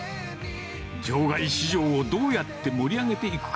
場外市場をどうやって盛り上げていくか。